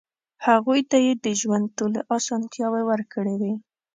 هغوی ته يې د ژوند ټولې اسانتیاوې ورکړې وې.